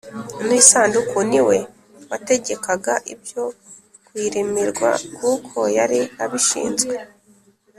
N’isanduku ni we wategekaga ibyo kuyiremerwa kuko yari abishinzwe